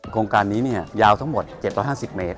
โครงการนี้ยาวทั้งหมด๗๕๐เมตร